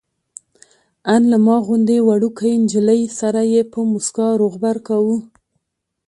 ان له ما غوندې وړوکې نجلۍ سره یې په موسکا روغبړ کاوه.